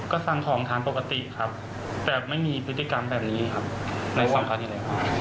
ก็สั่งของทางปกติครับแต่ไม่มีพฤติกรรมแบบนี้ในสองครั้งนี้เลยครับ